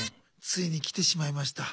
ついに来てしまいました